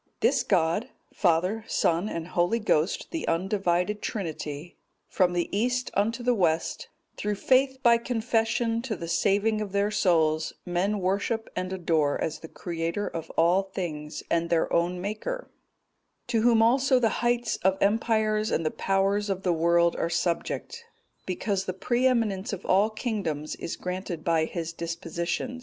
This God,—Father, Son, and Holy Ghost, the undivided Trinity,—from the east unto the west, through faith by confession to the saving of their souls, men worship and adore as the Creator of all things, and their own Maker; to Whom also the heights of empire and the powers of the world are subject, because the pre eminence of all kingdoms is granted by His disposition.